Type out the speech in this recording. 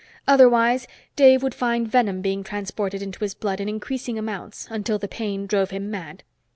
Otherwise, Dave would find venom being transported into his blood in increasing amounts until the pain drove him mad.